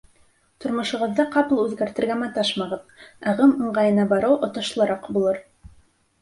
Тормошоғоҙҙо ҡапыл үҙгәртергә маташмағыҙ, ағым ыңғайына барыу отошлораҡ булыр.